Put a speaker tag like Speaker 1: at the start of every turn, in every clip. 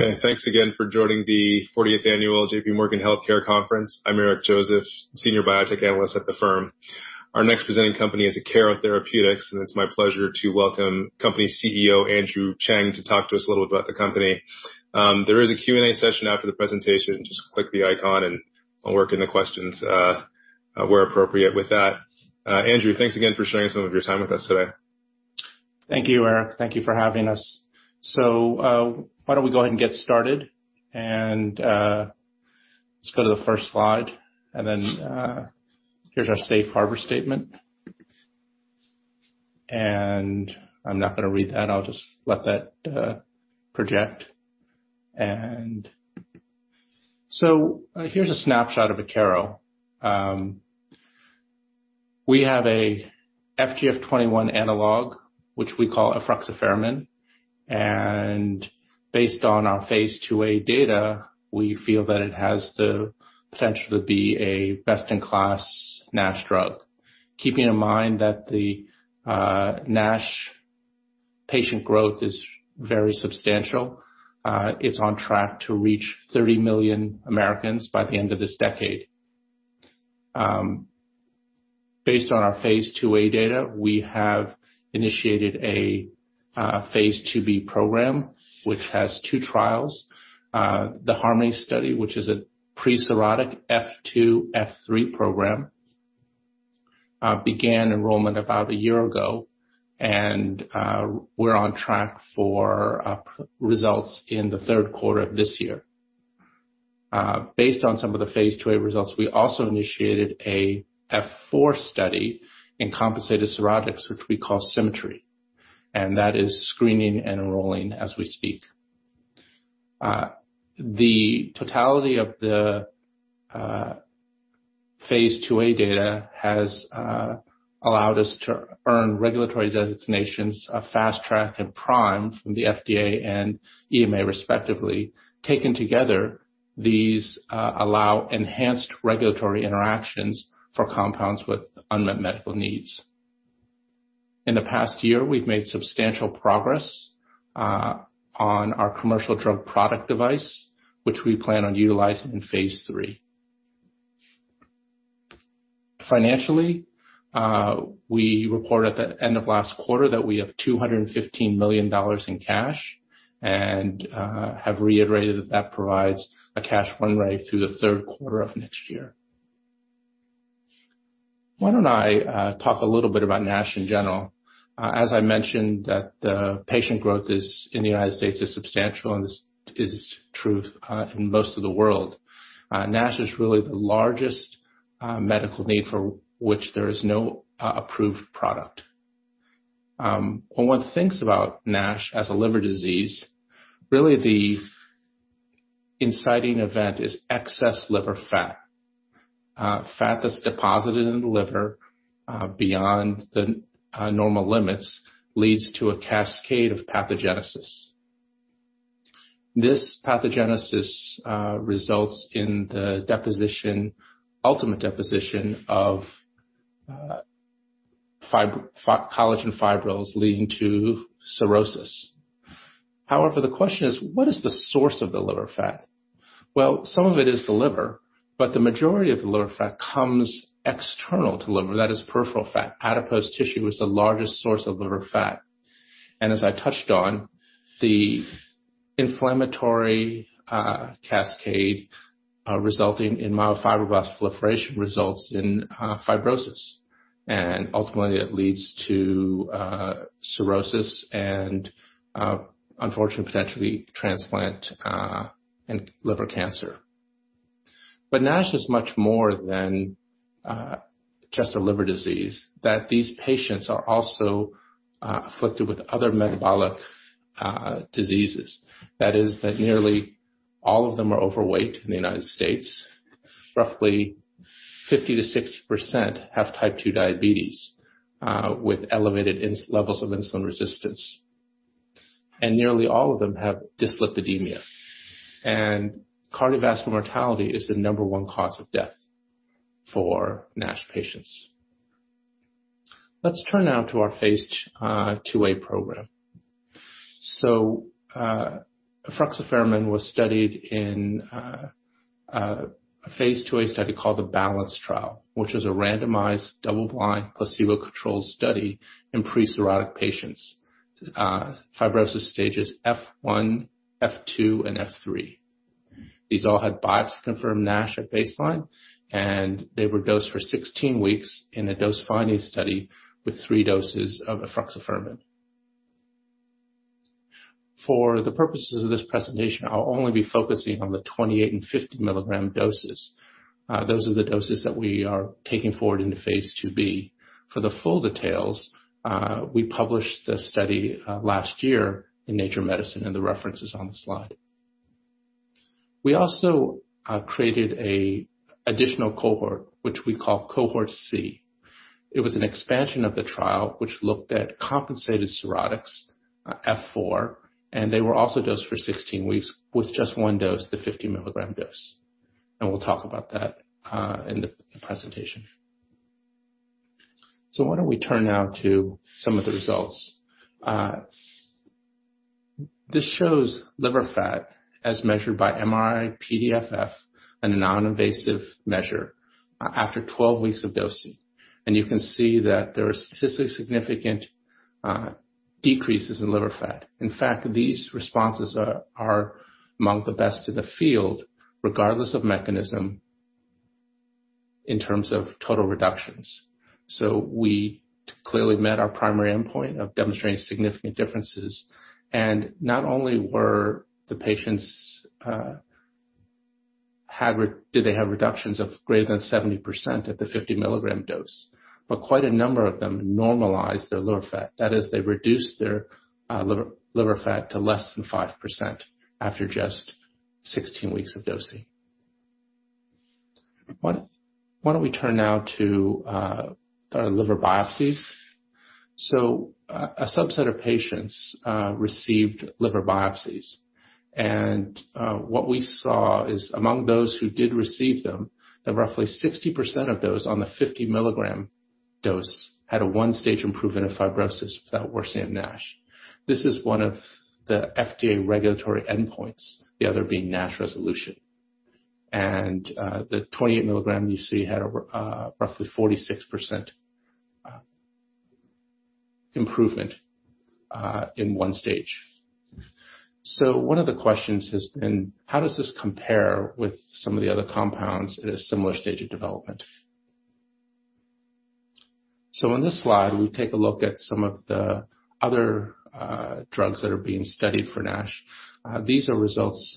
Speaker 1: Okay, thanks again for joining the 40th Annual JPMorgan Healthcare Conference. I'm Eric Joseph, Senior Biotech Analyst at the firm. Our next presenting company is Akero Therapeutics, and it's my pleasure to welcome company CEO, Andrew Cheng, to talk to us a little about the company. There is a Q&A session after the presentation. Just click the icon and I'll work in the questions, where appropriate with that. Andrew, thanks again for sharing some of your time with us today.
Speaker 2: Thank you, Eric. Thank you for having us. Why don't we go ahead and get started and, let's go to the first slide and then, here's our safe harbor statement. I'm not gonna read that. I'll just let that project. Here's a snapshot of Akero. We have a FGF 21 analog, which we call efruxifermin, and based on our phase IIa data, we feel that it has the potential to be a best-in-class NASH drug. Keeping in mind that the NASH patient growth is very substantial, it's on track to reach 30 million Americans by the end of this decade. Based on our phase IIa data, we have initiated a phase IIb program, which has two trials. The HARMONY study, which is a pre-cirrhotic F2, F3 program, began enrollment about a year ago, and we're on track for results in the third quarter of this year. Based on some of the phase IIa results, we also initiated a F4 study in compensated cirrhotics, which we call SYMMETRY, and that is screening and enrolling as we speak. The totality of the phase IIa data has allowed us to earn regulatory designations of Fast Track and PRIME from the FDA and EMA respectively. Taken together, these allow enhanced regulatory interactions for compounds with unmet medical needs. In the past year, we've made substantial progress on our commercial drug product device, which we plan on utilizing in phase III. Financially, we reported at the end of last quarter that we have $215 million in cash and have reiterated that that provides a cash runway through the third quarter of next year. Why don't I talk a little bit about NASH in general? As I mentioned, that the patient growth in the United States is substantial, and this is true in most of the world. NASH is really the largest medical need for which there is no approved product. When one thinks about NASH as a liver disease, really the inciting event is excess liver fat. Fat that's deposited in the liver beyond the normal limits leads to a cascade of pathogenesis. This pathogenesis results in the ultimate deposition of collagen fibrils leading to cirrhosis. However, the question is: What is the source of the liver fat? Well, some of it is the liver, but the majority of the liver fat comes external to liver. That is peripheral fat. Adipose tissue is the largest source of liver fat. And as I touched on, the inflammatory cascade resulting in myofibroblast proliferation results in fibrosis. And ultimately, it leads to cirrhosis and unfortunately, potentially transplant and liver cancer. But NASH is much more than just a liver disease, that these patients are also afflicted with other metabolic diseases. That is that nearly all of them are overweight in the United States. Roughly 50%-60% have type 2 diabetes with elevated levels of insulin resistance, and nearly all of them have dyslipidemia. And cardiovascular mortality is the number one cause of death for NASH patients. Let's turn now to our phase IIa program. Efruxifermin was studied in a phase IIa study called the BALANCED trial, which is a randomized double-blind placebo-controlled study in pre-cirrhotic patients, fibrosis stages F1, F2, and F3. These all had biopsy-confirmed NASH at baseline, and they were dosed for 16 weeks in a dose-finding study with three doses of efruxifermin. For the purposes of this presentation, I'll only be focusing on the 28-mg and 50-mg doses. Those are the doses that we are taking forward into phase IIb. For the full details, we published the study last year in Nature Medicine, and the reference is on the slide. We also created an additional cohort, which we call cohort C. It was an expansion of the trial, which looked at compensated cirrhotics, F4, and they were also dosed for 16 weeks with just one dose, the 50-mg dose. We'll talk about that in the presentation. Why don't we turn now to some of the results. This shows liver fat as measured by MRI-PDFF, a non-invasive measure, after 12 weeks of dosing. You can see that there are statistically significant decreases in liver fat. In fact, these responses are among the best in the field, regardless of mechanism in terms of total reductions. We clearly met our primary endpoint of demonstrating significant differences. Not only were the patients did they have reductions of greater than 70% at the 50 mg dose, but quite a number of them normalized their liver fat. That is, they reduced their liver fat to less than 5% after just 16 weeks of dosing. Why don't we turn now to our liver biopsies? A subset of patients received liver biopsies. What we saw is among those who did receive them, that roughly 60% of those on the 50 mg dose had a one-stage improvement of fibrosis without worsening NASH. This is one of the FDA regulatory endpoints, the other being NASH resolution. The 28 milligram you see had over roughly 46% improvement in one stage. One of the questions has been, how does this compare with some of the other compounds at a similar stage of development? In this slide, we take a look at some of the other drugs that are being studied for NASH. These are results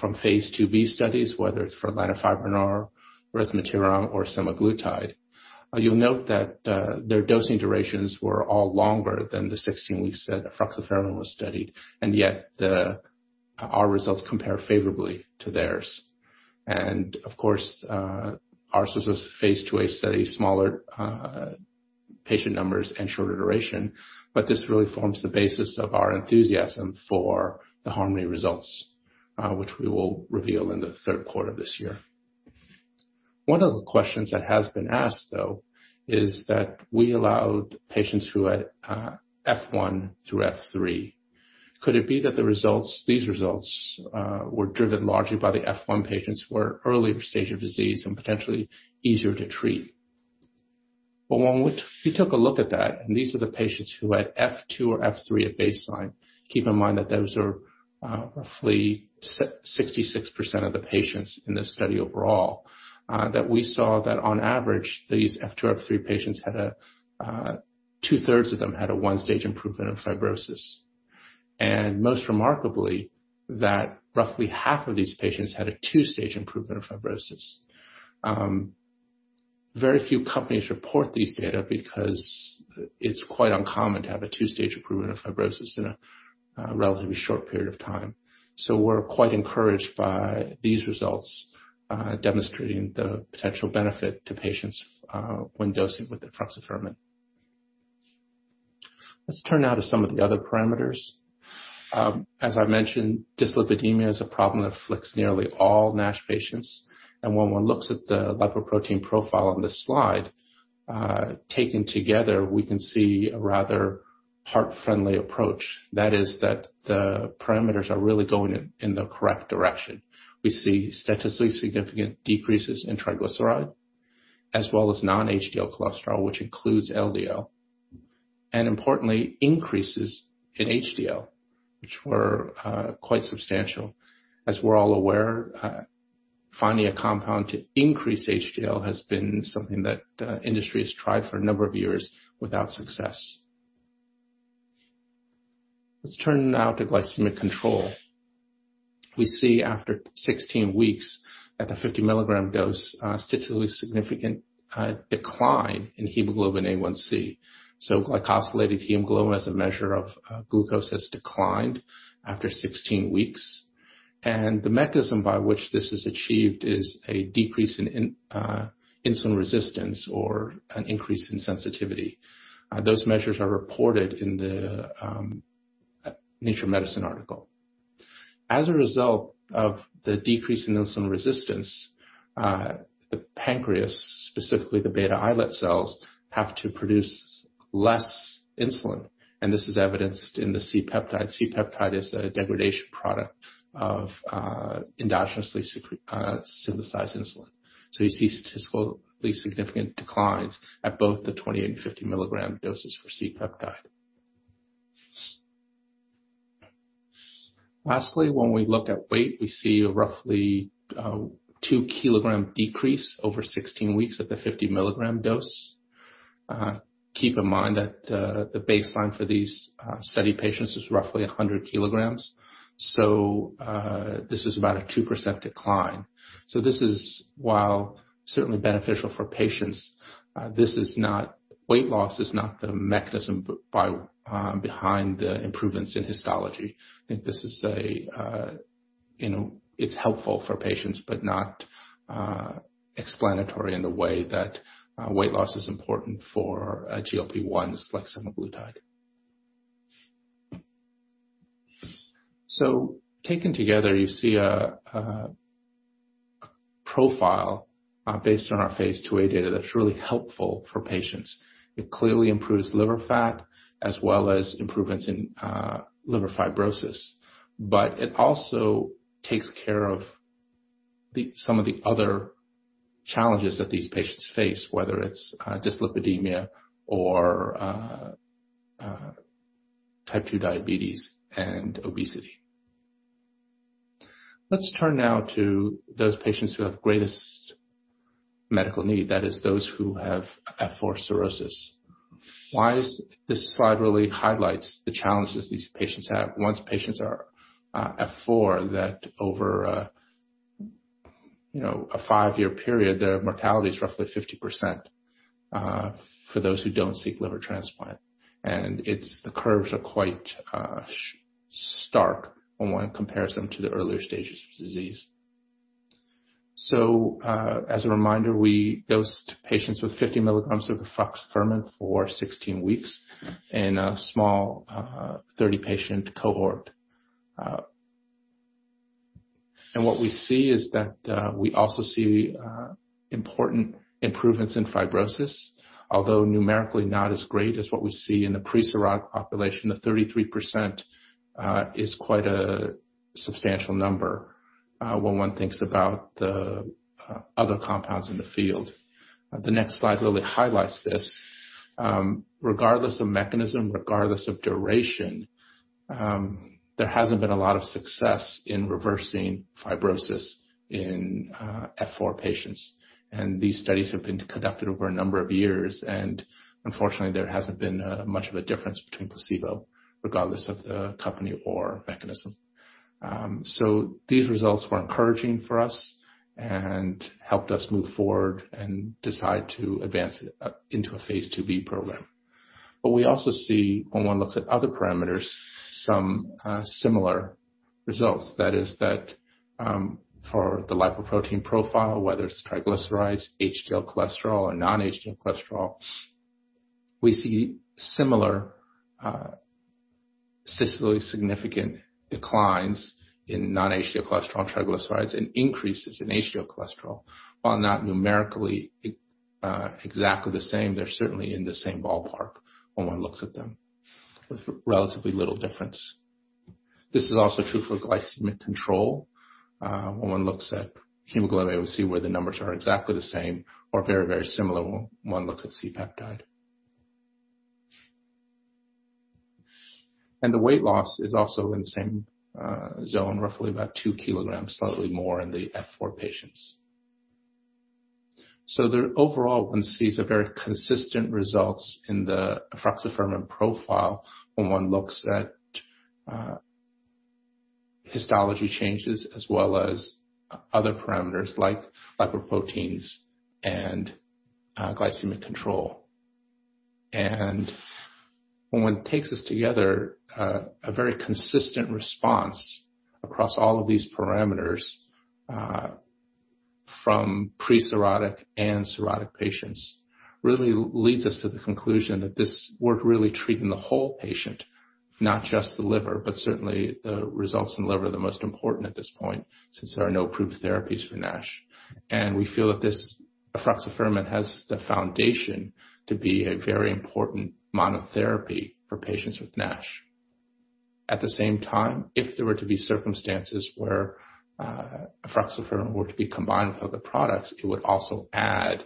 Speaker 2: from phase IIb studies, whether it's for lanifibranor, resmetirom, or semaglutide. You'll note that their dosing durations were all longer than the 16 weeks that efruxifermin was studied, and yet our results compare favorably to theirs. Of course, ours was a phase IIa study, smaller patient numbers and shorter duration, but this really forms the basis of our enthusiasm for the HARMONY results, which we will reveal in the third quarter of this year. One of the questions that has been asked, though, is that we allowed patients who had F1 through F3. Could it be that the results, these results, were driven largely by the F1 patients who are at earlier stage of disease and potentially easier to treat? When we took a look at that, and these are the patients who had F2 or F3 at baseline, keep in mind that those are roughly 66% of the patients in this study overall, that we saw that on average, these F2, F3 patients had, two-thirds of them had a one-stage improvement of fibrosis. Most remarkably, that roughly half of these patients had a two-stage improvement of fibrosis. Very few companies report these data because it's quite uncommon to have a two-stage improvement of fibrosis in a relatively short period of time. We're quite encouraged by these results demonstrating the potential benefit to patients when dosing with efruxifermin. Let's turn now to some of the other parameters. As I mentioned, dyslipidemia is a problem that afflicts nearly all NASH patients. When one looks at the lipoprotein profile on this slide, taken together, we can see a rather heart-friendly approach. That is that the parameters are really going in the correct direction. We see statistically significant decreases in triglyceride as well as non-HDL cholesterol, which includes LDL, and importantly, increases in HDL, which were quite substantial. As we're all aware, finding a compound to increase HDL has been something that the industry has tried for a number of years without success. Let's turn now to glycemic control. We see after 16 weeks at the 50 mg dose, a statistically significant decline in hemoglobin A1c. So glycosylated hemoglobin as a measure of glucose has declined after 16 weeks. The mechanism by which this is achieved is a decrease in insulin resistance or an increase in sensitivity. Those measures are reported in the Nature Medicine article. As a result of the decrease in insulin resistance, the pancreas, specifically the beta islet cells, have to produce less insulin, and this is evidenced in the C-peptide. C-peptide is a degradation product of endogenously synthesized insulin. You see statistically significant declines at both the 20-mg and 50-mg doses for C-peptide. Lastly, when we look at weight, we see a roughly 2-kg decrease over 16 weeks at the 50-mg dose. Keep in mind that the baseline for these study patients is roughly 100 kg. This is about a 2% decline. This is, while certainly beneficial for patients, not weight loss is not the mechanism by behind the improvements in histology. I think this is a, you know, it's helpful for patients but not, explanatory in the way that, weight loss is important for, GLP-1s like semaglutide. Taken together, you see a profile based on our phase IIa data that's really helpful for patients. It clearly improves liver fat as well as improvements in, liver fibrosis. It also takes care of the, some of the other challenges that these patients face, whether it's, dyslipidemia or, type two diabetes and obesity. Let's turn now to those patients who have greatest medical need, that is those who have F4 cirrhosis. This slide really highlights the challenges these patients have once patients are F4, that over a five-year period, their mortality is roughly 50%, for those who don't seek liver transplant. It's the curves are quite stark when one compares them to the earlier stages of disease. As a reminder, we dosed patients with 50 mg of efruxifermin for 16 weeks in a small 30-patient cohort. What we see is that we also see important improvements in fibrosis, although numerically not as great as what we see in the pre-cirrhotic population. The 33% is quite a substantial number when one thinks about the other compounds in the field. The next slide really highlights this. Regardless of mechanism, regardless of duration, there hasn't been a lot of success in reversing fibrosis in F4 patients. These studies have been conducted over a number of years, and unfortunately, there hasn't been much of a difference between placebo regardless of the company or mechanism. These results were encouraging for us and helped us move forward and decide to advance it up into a phase IIb program. We also see, when one looks at other parameters, some similar results. That is, for the lipoprotein profile, whether it's triglycerides, HDL cholesterol, or non-HDL cholesterol, we see similar, statistically significant declines in non-HDL cholesterol and triglycerides and increases in HDL cholesterol. While not numerically exactly the same, they're certainly in the same ballpark when one looks at them, with relatively little difference. This is also true for glycemic control. One looks at hemoglobin A1c, where the numbers are exactly the same or very, very similar when one looks at C-peptide. The weight loss is also in the same zone, roughly about 2 kg, slightly more in the F4 patients. There overall, one sees a very consistent results in the efruxifermin profile when one looks at, histology changes as well as other parameters like lipoproteins and, glycemic control. When one takes this together, a very consistent response across all of these parameters, from pre-cirrhotic and cirrhotic patients really leads us to the conclusion that we're really treating the whole patient, not just the liver. Certainly the results in liver are the most important at this point since there are no approved therapies for NASH. We feel that this efruxifermin has the foundation to be a very important monotherapy for patients with NASH. At the same time, if there were to be circumstances where, efruxifermin were to be combined with other products, it would also add,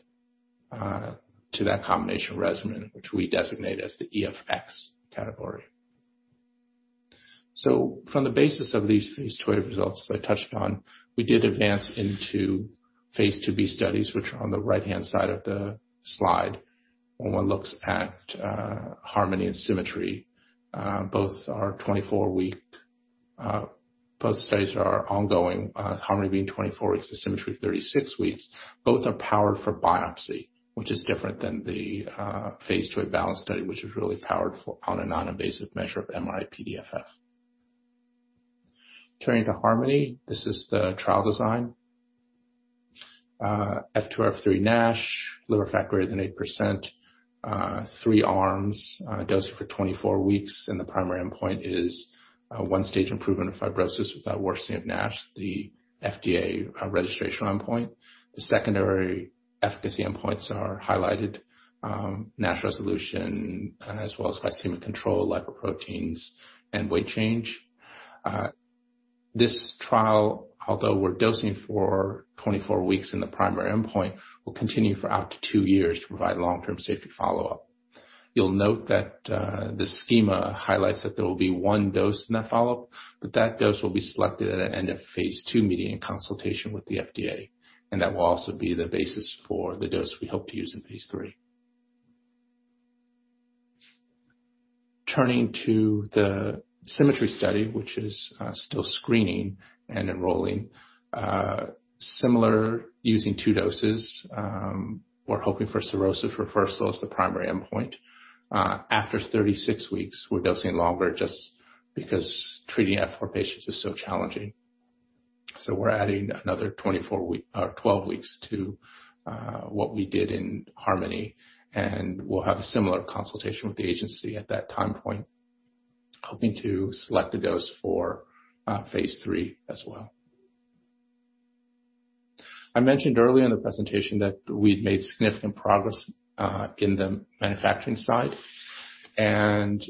Speaker 2: to that combination regimen, which we designate as the EFX category. From the basis of these phase IIa results, as I touched on, we did advance into phase IIb studies, which are on the right-hand side of the slide. When one looks at HARMONY and SYMMETRY, both are 24-week. Both studies are ongoing, HARMONY being 24 weeks and SYMMETRY 36 weeks. Both are powered for biopsy, which is different than the phase IIa balance study, which is really powered for on a non-invasive measure of MRI-PDFF. Turning to HARMONY, this is the trial design. F2 or F3 NASH, liver fat greater than 8%, three arms, dosed for 24 weeks, and the primary endpoint is one-stage improvement of fibrosis without worsening of NASH, the FDA registration endpoint. The secondary efficacy endpoints are highlighted, NASH resolution, as well as glycemic control, lipoproteins, and weight change. This trial, although we're dosing for 24 weeks in the primary endpoint, will continue for up to two years to provide long-term safety follow-up. You'll note that the schema highlights that there will be one dose in that follow-up, but that dose will be selected at an end of phase II meeting in consultation with the FDA, and that will also be the basis for the dose we hope to use in phase III. Turning to the SYMMETRY study, which is still screening and enrolling, similarly using two doses. We're hoping for cirrhosis reversal as the primary endpoint. After 36 weeks, we're dosing longer just because treating F4 patients is so challenging. We're adding another 24 week or 12 weeks to what we did in HARMONY, and we'll have a similar consultation with the agency at that time point, hoping to select a dose for phase III as well. I mentioned early in the presentation that we'd made significant progress in the manufacturing side and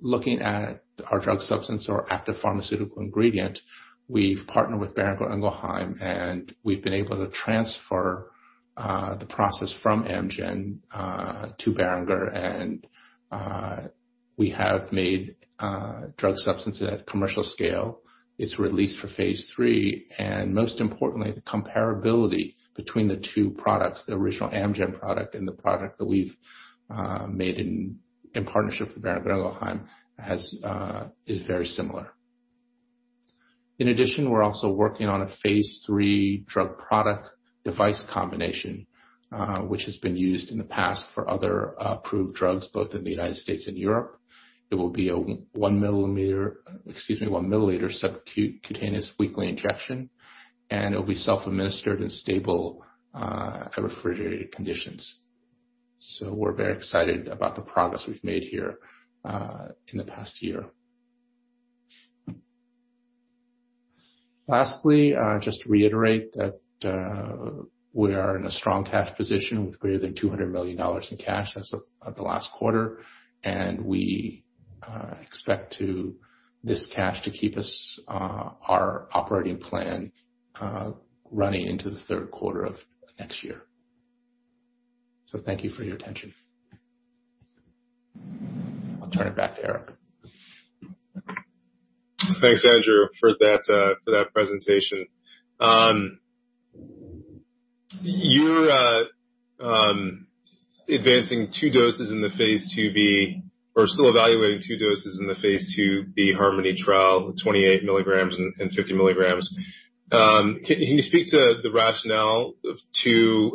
Speaker 2: looking at our drug substance or active pharmaceutical ingredient, we've partnered with Boehringer Ingelheim, and we've been able to transfer the process from Amgen to Boehringer. We have made drug substances at commercial scale. It's released for phase III, and most importantly, the comparability between the two products, the original Amgen product and the product that we've made in partnership with Boehringer Ingelheim is very similar. In addition, we're also working on a phase III drug product device combination, which has been used in the past for other approved drugs, both in the United States and Europe. It will be a 1 ml subcutaneous weekly injection, and it will be self-administered and stable at refrigerated conditions. We're very excited about the progress we've made here in the past year. Lastly, just to reiterate that, we are in a strong cash position with greater than $200 million in cash as of the last quarter. We expect this cash to keep our operating plan running into the third quarter of next year. Thank you for your attention. I'll turn it back to Eric.
Speaker 1: Thanks, Andrew, for that presentation. You're advancing two doses in the phase IIb or still evaluating two doses in the phase IIb HARMONY trial, 28 mg and 50 mg. Can you speak to the rationale to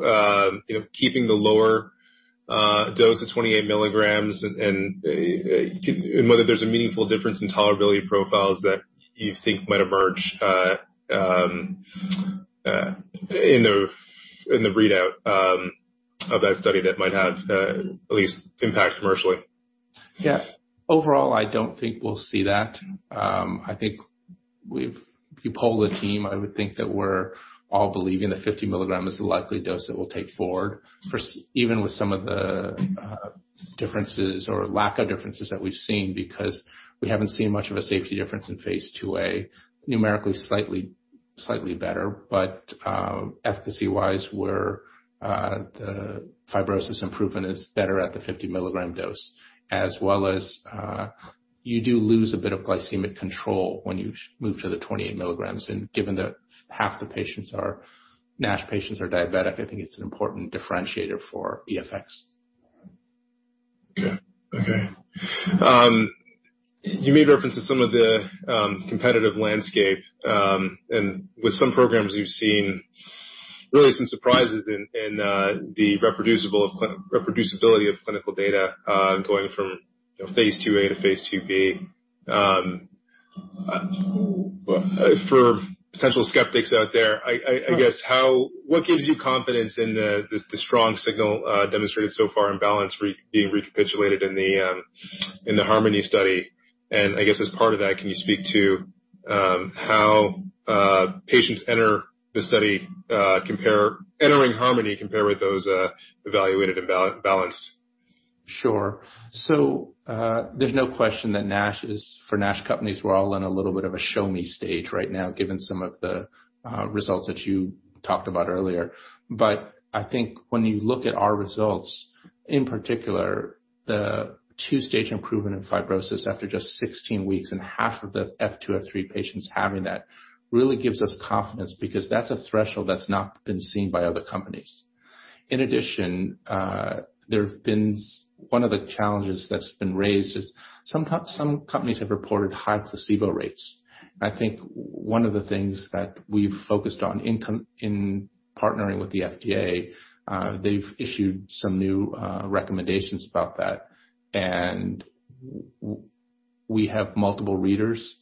Speaker 1: keeping the lower dose of 28 mg and whether there's a meaningful difference in tolerability profiles that you think might emerge in the readout of that study that might have at least impact commercially?
Speaker 2: Yeah. Overall, I don't think we'll see that. I think if you poll the team, I would think that we're all believing the 50 mg is the likely dose that we'll take forward for SYMMETRY even with some of the differences or lack of differences that we've seen, because we haven't seen much of a safety difference in phase IIa, numerically slightly better. Efficacy-wise, the fibrosis improvement is better at the 50 mg dose, as well as you do lose a bit of glycemic control when you move to the 28 mg. Given that half the NASH patients are diabetic, I think it's an important differentiator for EFX.
Speaker 1: Okay. You made reference to some of the competitive landscape, and with some programs you've seen really some surprises in the reproducibility of clinical data going from phase IIa to phase IIb. For potential skeptics out there, I guess what gives you confidence in the strong signal demonstrated so far in BALANCED being recapitulated in the HARMONY study? I guess as part of that, can you speak to how patients entering HARMONY compare with those evaluated in BALANCED?
Speaker 2: Sure. There's no question that NASH is for NASH companies, we're all in a little bit of a show me stage right now, given some of the results that you talked about earlier. But I think when you look at our results, in particular, the two-stage improvement in fibrosis after just 16 weeks and half of the F2, F3 patients having that really gives us confidence because that's a threshold that's not been seen by other companies. In addition, there have been one of the challenges that's been raised is some companies have reported high placebo rates. I think one of the things that we've focused on in partnering with the FDA, they've issued some new recommendations about that. We have multiple readers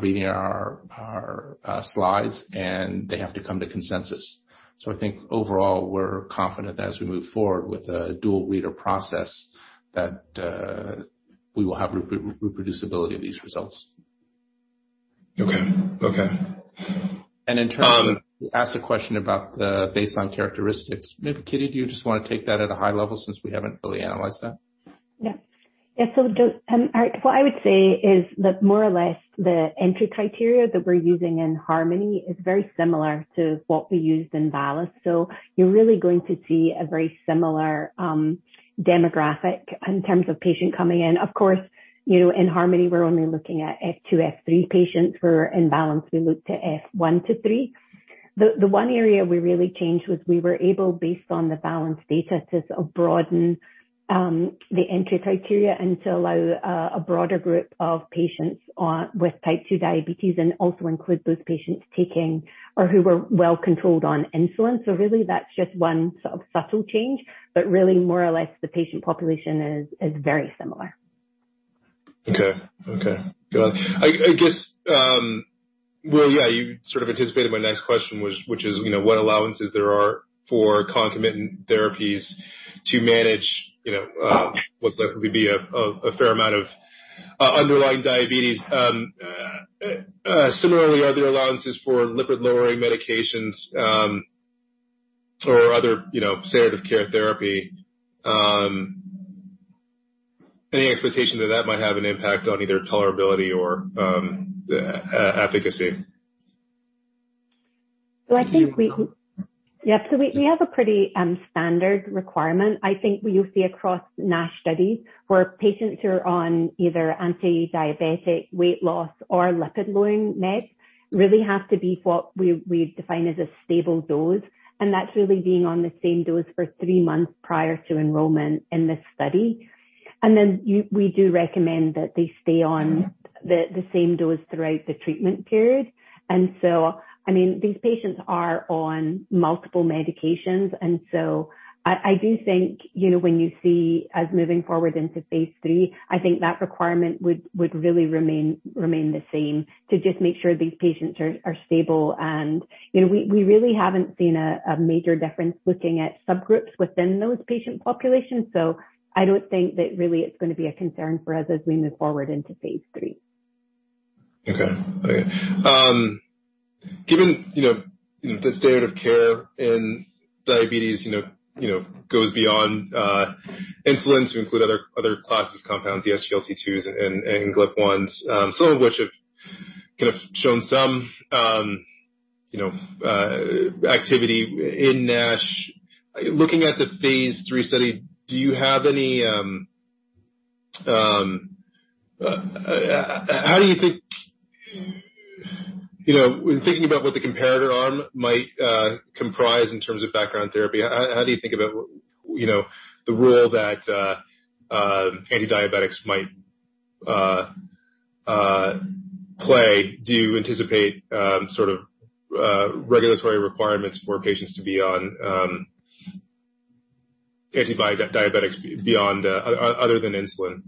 Speaker 2: reading our slides, and they have to come to consensus. I think overall we're confident as we move forward with a dual reader process that we will have reproducibility of these results.
Speaker 1: Okay. Okay.
Speaker 2: In terms of asking the question about the baseline characteristics. Maybe, Kitty, do you just want to take that at a high level since we haven't fully analyzed that?
Speaker 3: Yeah. What I would say is that more or less, the entry criteria that we're using in HARMONY is very similar to what we used in BALANCED. You're really going to see a very similar demographic in terms of patient coming in. Of course, you know, in HARMONY, we're only looking at F2, F3 patients, where in BALANCED we looked at F1 to 3. The one area we really changed was we were able, based on the BALANCED data, to sort of broaden the entry criteria and to allow a broader group of patients on with type 2 diabetes and also include those patients taking or who were well controlled on insulin. Really that's just one sort of subtle change. But really more or less the patient population is very similar.
Speaker 1: Okay. Go ahead. I guess, well, yeah, you sort of anticipated my next question, which is, you know, what allowances there are for concomitant therapies to manage, you know, what's likely to be a fair amount of underlying diabetes. Similarly, are there allowances for lipid-lowering medications, or other, you know, standard of care therapy? Any expectation that that might have an impact on either tolerability or efficacy?
Speaker 3: I think we have a pretty standard requirement, I think what you'll see across NASH studies, where patients who are on either anti-diabetic weight loss or lipid-lowering meds really have to be what we define as a stable dose. That's really being on the same dose for three months prior to enrollment in this study. We do recommend that they stay on the same dose throughout the treatment period. I mean, these patients are on multiple medications. I do think, you know, when you see us moving forward into phase III, I think that requirement would really remain the same to just make sure these patients are stable. You know, we really haven't seen a major difference looking at subgroups within those patient populations. I don't think that really it's gonna be a concern for us as we move forward into phase III.
Speaker 1: Given, you know, the state of care in diabetes, you know, goes beyond insulin to include other classes of compounds, the SGLT2s and GLP-1s, some of which have kind of shown some activity in NASH. Looking at the phase III study, how do you think, you know, when thinking about what the comparator arm might comprise in terms of background therapy, how do you think about, you know, the role that anti-diabetics might play? Do you anticipate sort of regulatory requirements for patients to be on anti-diabetics beyond other than insulin?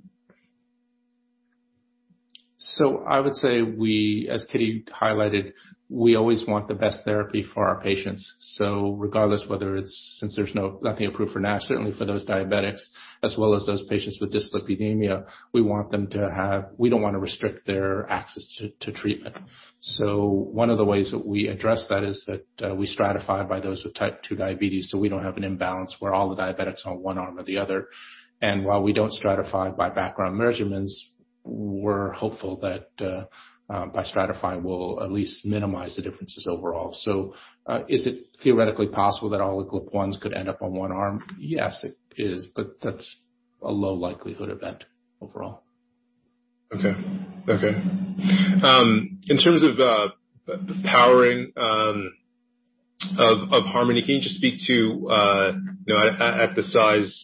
Speaker 2: I would say we, as Kitty highlighted, we always want the best therapy for our patients. Regardless whether it's, since there's nothing approved for NASH, certainly for those diabetics as well as those patients with dyslipidemia, we want them to have. We don't wanna restrict their access to treatment. One of the ways that we address that is that we stratify by those with type 2 diabetes, so we don't have an imbalance where all the diabetics on one arm or the other. While we don't stratify by background measurements, we're hopeful that by stratifying, we'll at least minimize the differences overall. Is it theoretically possible that all the GLP-1s could end up on one arm? Yes, it is, but that's a low likelihood event overall.
Speaker 1: In terms of the powering of HARMONY, can you just speak to, you know, at its size,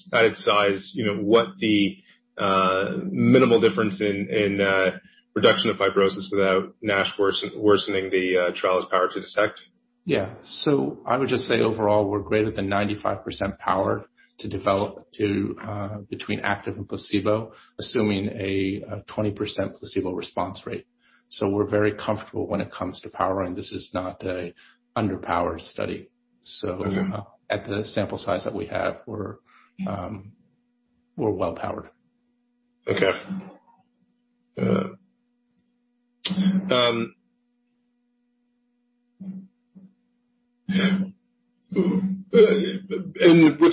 Speaker 1: you know, what the minimal difference in reduction of fibrosis without NASH worsening the trial's power to detect?
Speaker 2: Yeah. I would just say overall, we're greater than 95% powered to detect between active and placebo, assuming a 20% placebo response rate. We're very comfortable when it comes to powering. This is not an underpowered study.
Speaker 1: Okay.
Speaker 2: At the sample size that we have, we're well powered.
Speaker 1: With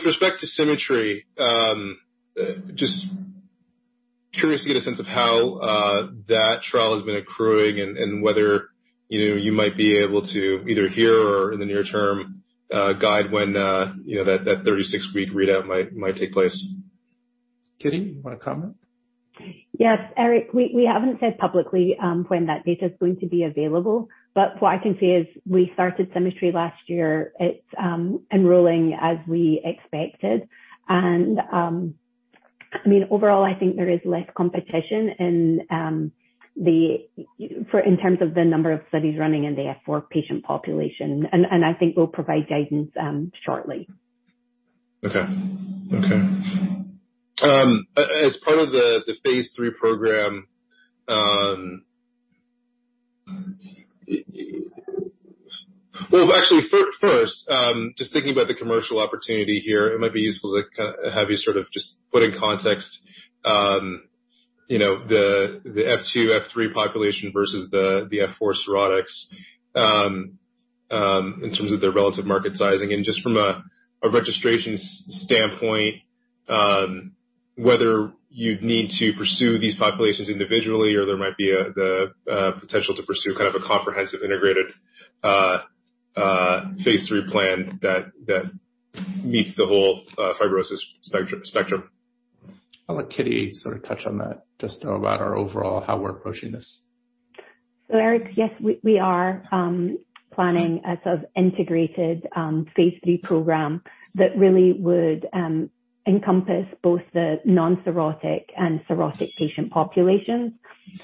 Speaker 1: respect to SYMMETRY, just curious to get a sense of how that trial has been accruing and whether, you know, you might be able to either here or in the near term guide when, you know, that 36-week readout might take place.
Speaker 2: Kitty, you wanna comment?
Speaker 3: Yes, Eric. We haven't said publicly when that data is going to be available, but what I can say is we started SYMMETRY last year. It's enrolling as we expected. I mean, overall, I think there is less competition, for in terms of the number of studies running in the F4 patient population. I think we'll provide guidance shortly.
Speaker 1: As part of the phase III program, well, actually, first, just thinking about the commercial opportunity here, it might be useful to have you sort of just put in context, you know, the F2, F3 population versus the F4 cirrhotics, in terms of their relative market sizing. Just from a registration standpoint, whether you'd need to pursue these populations individually or there might be a potential to pursue kind of a comprehensive integrated phase III plan that meets the whole fibrosis spectrum.
Speaker 2: I'll let Kitty sort of touch on that, just about our overall how we're approaching this.
Speaker 3: Eric, yes, we are planning a sort of integrated phase III program that really would encompass both the non-cirrhotic and cirrhotic patient populations.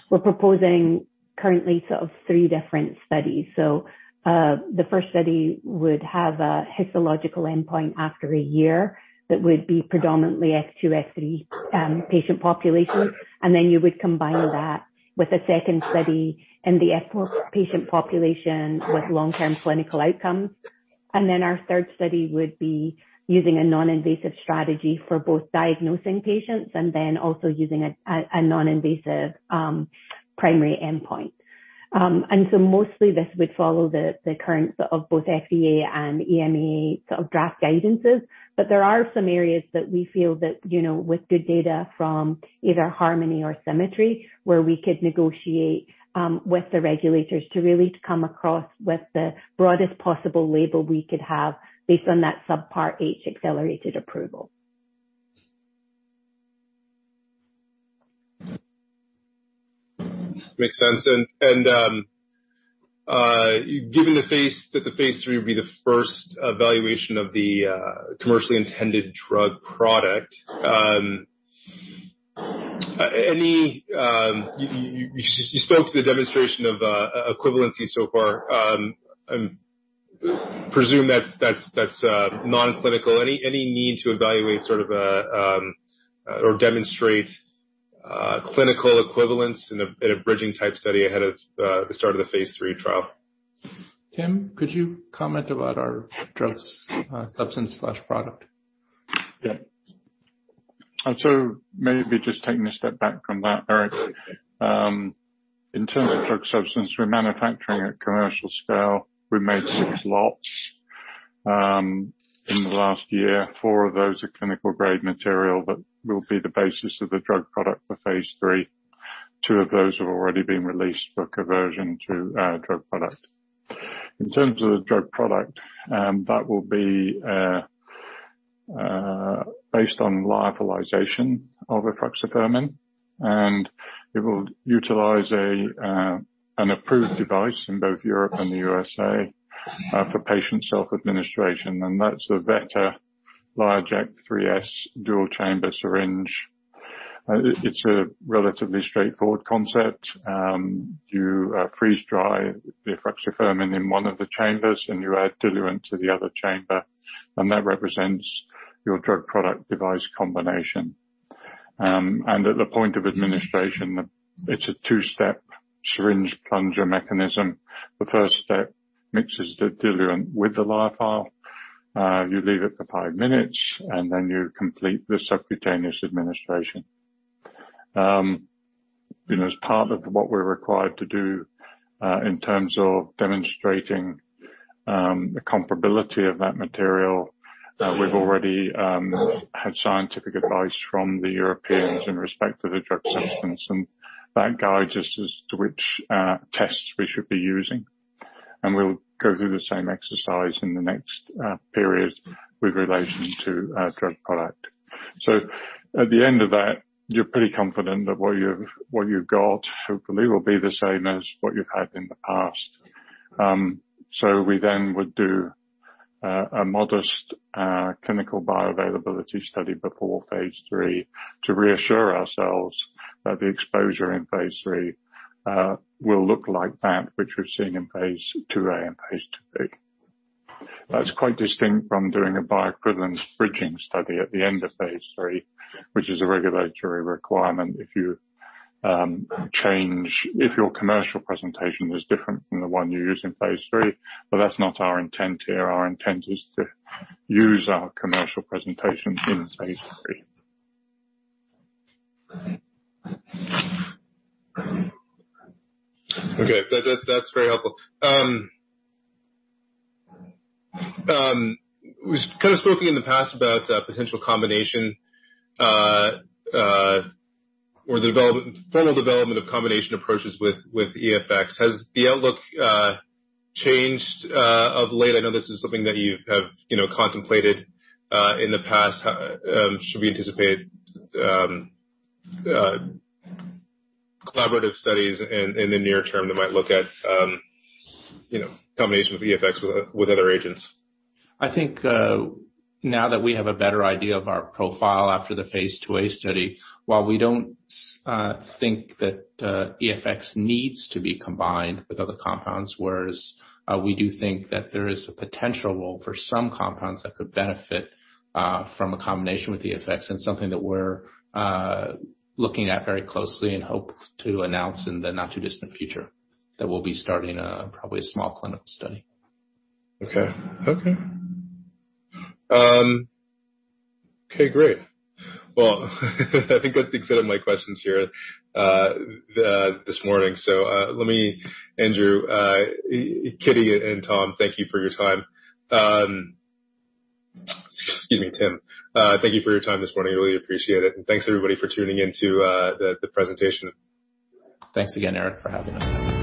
Speaker 3: We are proposing currently sort of three different studies. The first study would have a histological endpoint after a year that would be predominantly F2, F3 patient population. You would combine that with a second study in the F4 patient population with long-term clinical outcomes. Our third study would be using a non-invasive strategy for both diagnosing patients and then also using a non-invasive primary endpoint. Mostly this would follow the current sort of both FDA and EMA sort of draft guidances. There are some areas that we feel that, you know, with good data from either HARMONY or SYMMETRY, where we could negotiate with the regulators to really come across with the broadest possible label we could have based on that Subpart H accelerated approval.
Speaker 1: Makes sense. Given that the phase III will be the first evaluation of the commercially intended drug product, you spoke to the demonstration of equivalency so far. I presume that's non-clinical. Any need to evaluate sort of a or demonstrate clinical equivalence in a bridging type study ahead of the start of the phase III trial?
Speaker 2: Tim, could you comment about our drugs, substance or product?
Speaker 4: Yeah. Maybe just taking a step back from that, Eric. In terms of drug substance, we're manufacturing at commercial scale. We made 6 lots in the last year. Four of those are clinical grade material that will be the basis of the drug product for phase III. Two of those have already been released for conversion to drug product. In terms of the drug product, that will be based on lyophilization of efruxifermin, and it will utilize an approved device in both Europe and the U.S. for patient self-administration, and that's the Vetter Lyo-Ject 3S dual-chamber syringe. It's a relatively straightforward concept. You freeze dry the efruxifermin in one of the chambers, and you add diluent to the other chamber, and that represents your drug product device combination. At the point of administration, it's a two-step syringe plunger mechanism. The first step mixes the diluent with the lyophile. You leave it for five minutes, and then you complete the subcutaneous administration. You know, as part of what we're required to do, in terms of demonstrating the comparability of that material, we've already had scientific advice from the Europeans in respect to the drug substance, and that guides us as to which tests we should be using. We'll go through the same exercise in the next period with relation to our drug product. At the end of that, you're pretty confident that what you've got hopefully will be the same as what you've had in the past. We would do a modest clinical bioavailability study before phase III to reassure ourselves that the exposure in phase III will look like that which we've seen in phase IIa and phase IIb. That's quite distinct from doing a bioequivalence bridging study at the end of phase III, which is a regulatory requirement if your commercial presentation is different from the one you use in phase III, but that's not our intent here. Our intent is to use our commercial presentation in phase III.
Speaker 1: Okay. That's very helpful. We've kind of spoken in the past about potential combination or the formal development of combination approaches with EFX. Has the outlook changed of late? I know this is something that you have, you know, contemplated in the past. Should we anticipate collaborative studies in the near term that might look at, you know, combination with EFX with other agents?
Speaker 2: I think now that we have a better idea of our profile after the phase IIa study, while we don't think that EFX needs to be combined with other compounds, whereas we do think that there is a potential role for some compounds that could benefit from a combination with EFX. It's something that we're looking at very closely and hope to announce in the not-too-distant future that we'll be starting probably a small clinical study.
Speaker 1: Okay, great. Well, I think that's the extent of my questions here, this morning. Andrew, Kitty, and Tim, thank you for your time. Excuse me, Tim. Thank you for your time this morning. I really appreciate it. Thanks everybody for tuning in to the presentation.
Speaker 2: Thanks again, Eric, for having us.